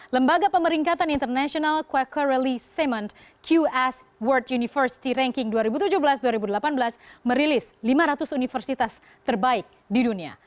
lembaga pemeringkatan international quecoraly semen qs world university ranking dua ribu tujuh belas dua ribu delapan belas merilis lima ratus universitas terbaik di dunia